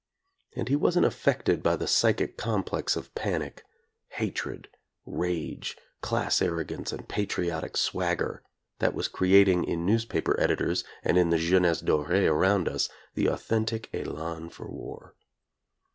And he wasn't affected by the psychic complex of panic, hatred, rage, class arrogance and patriotic swagger that was creating in newspaper editors and in the "jeunesse doree" around us the authentic elan for war.